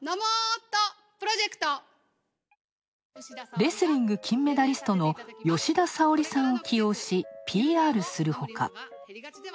レスリング、金メダリストの吉田沙保里さんを起用しＰＲするほか。